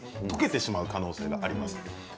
溶けてしまう可能性があります。